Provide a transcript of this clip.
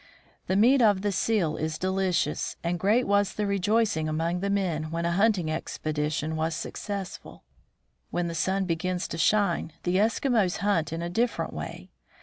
The meat of the seal is delicious, and great was the rejoicing among the men when a hunting expedition was successful. When the sun begins to shine, the Eskimos hunt in a different way.